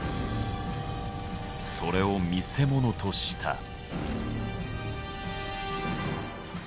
それを見せ物とした。